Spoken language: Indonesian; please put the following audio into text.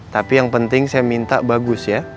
tapi yang penting saya minta bagus ya